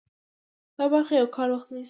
دا برخه یو کال وخت نیسي.